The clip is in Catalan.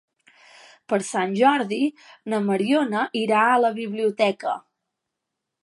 Per Sant Jordi na Mariona irà a la biblioteca.